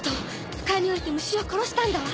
腐海に降りて蟲を殺したんだわ！